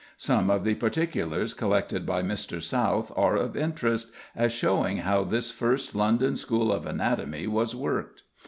Some of the particulars collected by Mr. South are of interest, as showing how this first London School of Anatomy was worked.